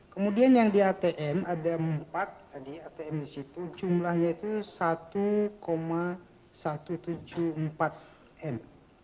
kemudian yang di atm ada empat di atm di situ jumlahnya itu satu satu ratus tujuh puluh empat m